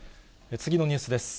次のニュースです。